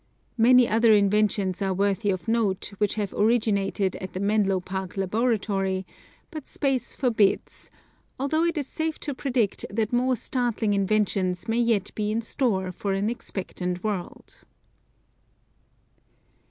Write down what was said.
Many other inventions are worthy of note, which have originated at the Menlo Park labratory, but space forbids, although it is safe to predict that more startling inventions may yet be in store for an expectant world.